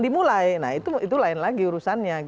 dimulai nah itu lain lagi urusannya